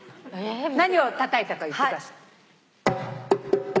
何をたたいたか言ってください。